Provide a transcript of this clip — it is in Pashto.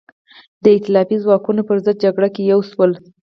د ایتلافي ځواکونو پر ضد جګړه کې یو شول.